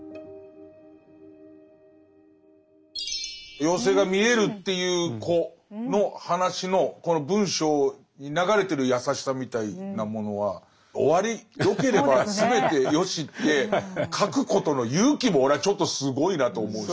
妖精が見えるっていう子の話のこの文章に流れてる優しさみたいなものは「おわりよければすべてよし」って書くことの勇気も俺はちょっとすごいなと思うし。